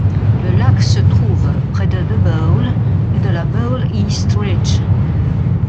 Le lac se trouve près de The Bowl et de la Bowl East Ridge.